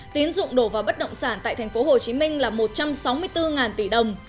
tín dụng đổ vào bất động sản tại tp hcm là một trăm sáu mươi bốn tỷ đồng